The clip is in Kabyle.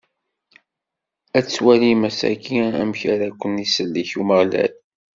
Ad twalim ass-agi, amek ara ken-isellek Umeɣlal.